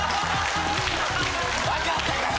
わかったから。